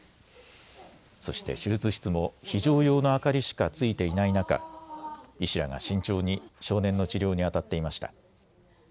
そして手術室も非常用の明かりしかついていない中、医師らが慎重に少年の治療に当たっていました。